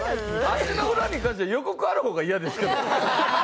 足の裏に関しては予告ある方が嫌ですけどね。